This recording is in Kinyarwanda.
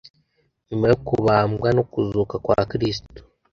Nyuma yo kubambwa no kuzuka kwa Kristo;